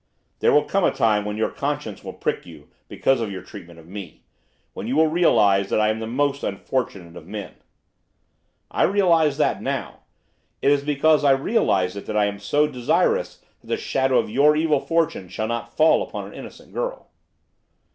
'There will come a time when your conscience will prick you because of your treatment of me; when you will realise that I am the most unfortunate of men.' 'I realise that now. It is because I realise it that I am so desirous that the shadow of your evil fortune shall not fall upon an innocent girl.